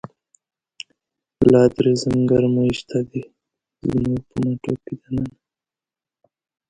لادرزم ګرمی شته دی، زموږ په مټوکی دننه